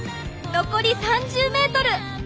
残り３０ｍ！